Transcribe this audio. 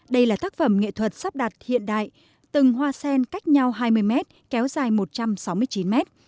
đây là tác phẩm nghệ thuật sắp đặt hiện đại từng hoa sen cách nhau hai mươi mét kéo dài một trăm sáu mươi chín mét